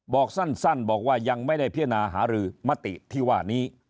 บอกสั้นบอกว่ายังไม่ได้พิจารณาหารือมติที่ว่านี้